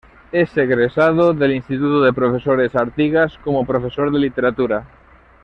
Es egresado del Instituto de Profesores Artigas como profesor de literatura.